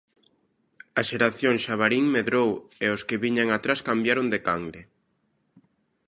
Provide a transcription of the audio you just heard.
A Xeración Xabarín medrou e os que viñan atrás cambiaron de canle.